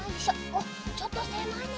おっちょっとせまいね。